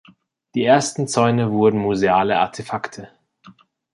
Die ersten Zäune wurden museale Artefakte.